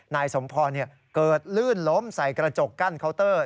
นายสมพรเกิดลื่นล้มใส่กระจกกั้นเคาน์เตอร์